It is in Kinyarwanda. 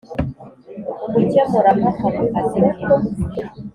umukemurampaka mu kazi ke.